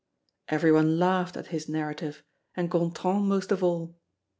Everyone laughed at his narrative and Gontran most of all.